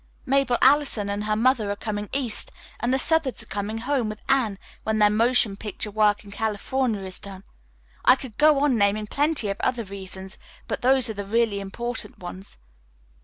Mabel Allison and her mother are coming east, and the Southards are coming home with Anne when their motion picture work in California is done. I could go on naming plenty of other reasons, but those are the really important ones."